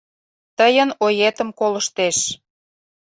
Тыйын оетым колыштеш.